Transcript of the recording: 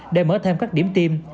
để mở thêm các điểm tiêm